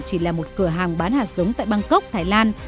chỉ là một cửa hàng bán hạt giống tại bangkok thái lan